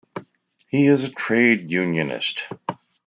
He is a trade unionist.